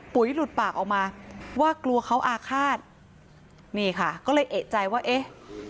หลุดปากออกมาว่ากลัวเขาอาฆาตนี่ค่ะก็เลยเอกใจว่าเอ๊ะ